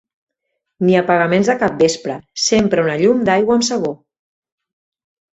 Ni apagaments de capvespre: sempre una llum d'aigua amb sabó